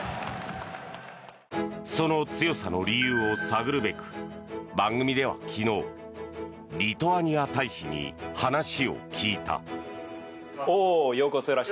その強さの理由を探るべく番組では昨日リトアニア大使に話を聞いた。